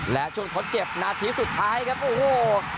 และช่วงทดเจ็บนาทีสุดท้ายครับโอ้โห